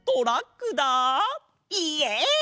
イエイ！